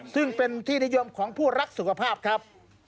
ซึ่งเป็นที่นิยมของผู้รักสุขภาพครับ